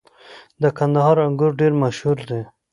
• د کندهار انګور ډېر مشهور دي.